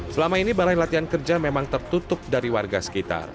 selama ini balai latihan kerja memang tertutup dari warga sekitar